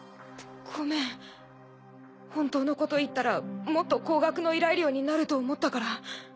ごめん本当のこと言ったらもっと高額の依頼料になると思ったから。